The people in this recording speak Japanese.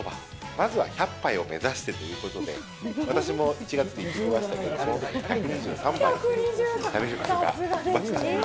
まずは１００杯を目指してということで、私も１月に行ってきましたけど、そのときは１２３杯食べることができました。